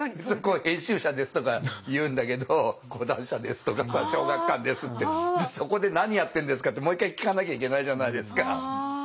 そこは「編集者です」とか言うんだけど「講談社です」とかさ「小学館です」って「そこで何やってんですか」ってもう一回聞かなきゃいけないじゃないですか。